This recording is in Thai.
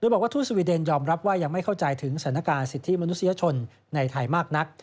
บอกว่าทูตสวีเดนยอมรับว่ายังไม่เข้าใจถึงสถานการณ์สิทธิมนุษยชนในไทยมากนัก